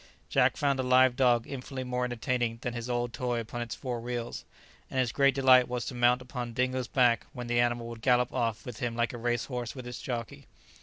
Jack found a live dog infinitely more entertaining than his old toy upon its four wheels, and his great delight was to mount upon Dingo's back, when the animal would gallop off with him like a race horse with his jockey.